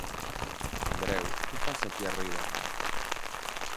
Andreu, que fas aquí arriba?